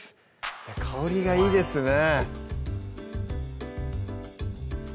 香りがいいですね